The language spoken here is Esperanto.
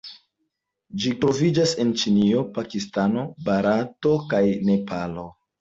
Ĝi troviĝas en Ĉinio, Pakistano, Barato kaj Nepalo.